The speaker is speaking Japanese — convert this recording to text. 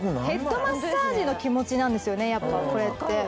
ヘッドマッサージの気持ちなんですよねやっぱこれって。